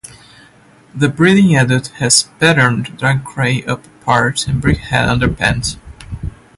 The breeding adult has patterned dark grey upperparts and brick-red underparts.